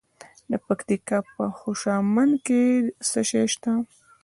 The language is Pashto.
د پکتیکا په خوشامند کې څه شی شته؟